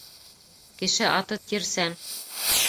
Кеше аты тирсән